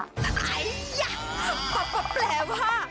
อัยยะแปลว่า